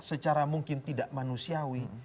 secara mungkin tidak manusiawi